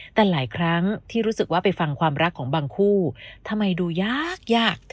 แต่หลายครั้งที่รู้สึกว่าไปฟังความรักของบางคู่ทำไมดูยากยาก